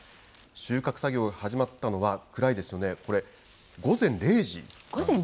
収穫作業が始まったのは、暗いですよね、これ、午前０時。